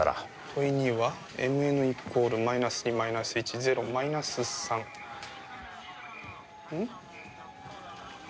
問２はｍｎイコールマイナス２マイナス１０マイナス３。ん？